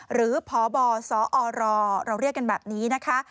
หรือพบสอรเราเรียกกันแบบนี้นะคะ